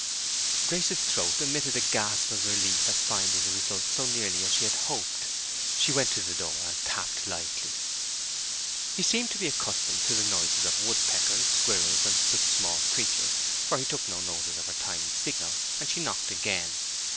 Grace's throat emitted a gasp of relief at finding the result so nearly as she had hoped. She went to the door and tapped lightly. He seemed to be accustomed to the noises of woodpeckers, squirrels, and such small creatures, for he took no notice of her tiny signal, and she knocked again.